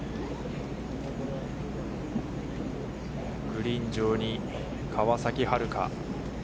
グリーン上に川崎春花。